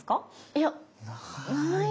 いやない。